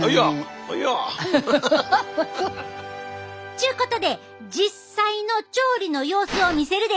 ちゅうことで実際の調理の様子を見せるで！